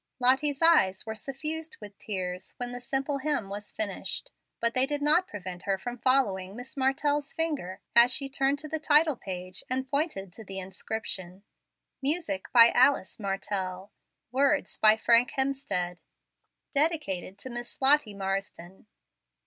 Lottie's eyes were suffused with tears when the simple hymn was finished, but they did not prevent her from following Miss Kartell's finger as she turned to the title page and pointed to the inscription: "Music by Alice Martell. "Words by Frank Hemstead. "Dedicated to Miss Lottie Marsden.